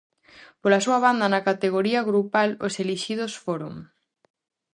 Pola súa banda, na categoría grupal os elixidos foron: